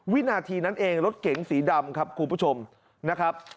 วินาทีนั้นเองรถเก๋งสีดำครับคุณผู้ชมนะครับ